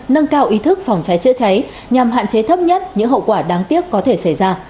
nâng cao ý thức phòng cháy chữa cháy nhằm hạn chế thấp nhất những hậu quả đáng tiếc có thể xảy ra